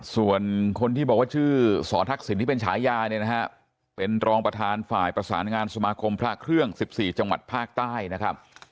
ส่วนคนที่บอกว่าชื่อสอทักษิณที่เป็นฉายาเนี่ยนะฮะเป็นรองประธานฝ่ายประสานงานสมาคมพระเครื่อง๑๔จังหวัดภาคใต้นะครับ